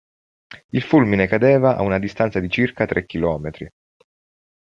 Il fulmine cadeva a una distanza di circa tre chilometri.